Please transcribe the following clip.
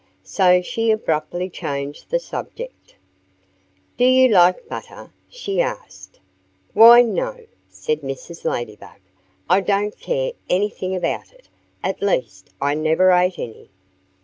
So she abruptly changed the subject. "Do you like butter?" she asked. "Why, no!" said Mrs. Ladybug. "I don't care anything about it. At least, I never ate any."